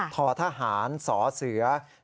ทธหารสเส๙๐๒๒